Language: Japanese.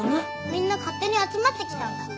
みんな勝手に集まってきたんだ